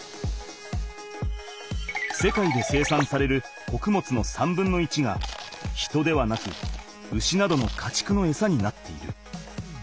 世界で生産されるこくもつの３分の１が人ではなく牛などのかちくのエサになっている。